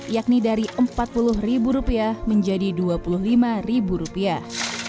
yakni dari empat puluh rupiah menjadi dua puluh lima rupiah